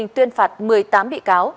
tuyên phạt một mươi tám bị cáo